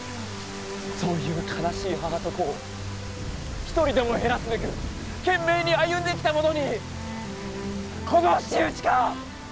そういう悲しい母と子を一人でも減らすべく懸命に歩んできた者にこの仕打ちか！？